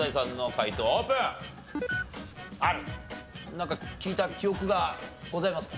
なんか聞いた記憶がございますか？